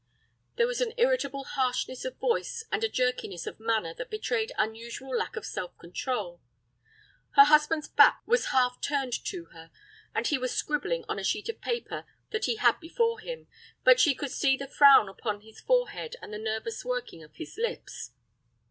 There was an irritable harshness of voice and a jerkiness of manner that betrayed unusual lack of self control. Her husband's back was half turned to her, and he was scribbling on a sheet of paper that he had before him, but she could see the frown upon his forehead and the nervous working of his lips.